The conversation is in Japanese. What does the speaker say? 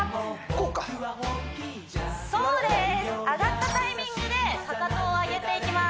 こうかなるほど上がったタイミングでかかとを上げていきます